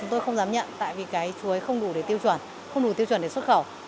tôi không dám nhận tại vì cái chuối không đủ để tiêu chuẩn không đủ tiêu chuẩn để xuất khẩu